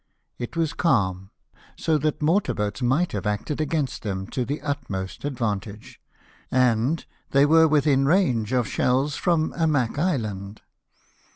It was calm, so that mortar boats might have acted against them to the utmost advantage, and they were within range of shells from Amak Island.